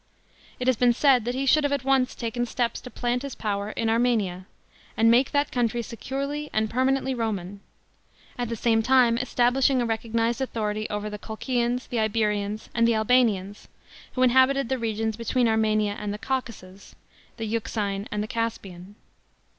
It has been said that he should have at once taken steps to plant his power in Armenia, and make that country securely and permanently Roman, at the same time establishing a recognised authority over the Colchiaus, the Iberians, and the Albanians, who inhabited the regions between Armenia and the Caucasus, the Euxine and the Caspian.